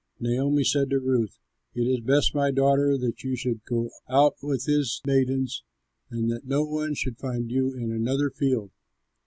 '" Naomi said to Ruth, "It is best, my daughter, that you should go out with his maidens and that no one should find you in another field."